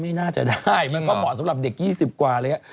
ไม่น่าจะได้มันก็เหมาะสำหรับเด็ก๒๐กว่าเลยอ่ะ